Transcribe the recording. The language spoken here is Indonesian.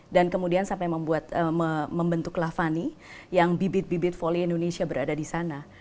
dan kemudian sampai membuat membentuk lavani yang bibit bibit foli indonesia berada di sana